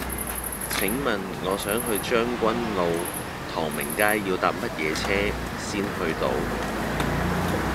請問我想去將軍澳唐明街要搭乜嘢車先去到